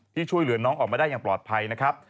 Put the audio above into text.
ที่ช่วยเหลือน้องออกมาได้อย่างปลอดภัยนะครับ